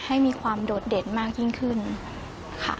ให้มีความโดดเด่นมากยิ่งขึ้นค่ะ